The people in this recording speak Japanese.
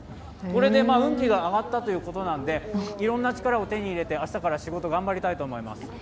これで運気が上がったということなので、いろんな力を手に入れて明日から仕事、頑張りたいと思います。